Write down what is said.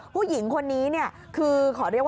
ผู้หญิงคนนี้เนี่ย